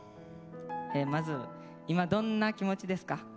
まず今どんな気持ちですか？